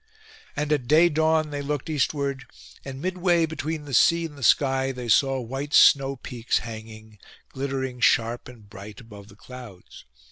And at day dawn they looked eastward, and midway between the sea and the sky they saw white snow peaks hanging, glittering sharp and bright above the clouds.